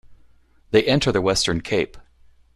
They enter the Western Cape.